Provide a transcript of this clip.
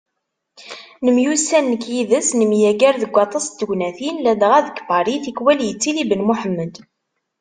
Nemyussan nekk yid-s, nemyaggar deg waṭas n tegnatin, ladɣa deg Paris, tikwal yettili Ben Muḥemmed.